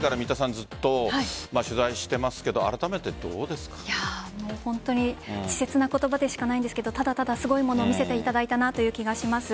ずっと取材していますけど本当に稚拙な言葉でしかないんですがただただ、すごいものを見せていただいたという気がします。